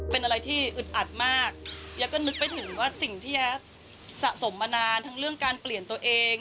เป็นอะไรที่อึดอัดมากแย๊ก็นึกไปถึงว่าสิ่งที่แอฟสะสมมานานทั้งเรื่องการเปลี่ยนตัวเอง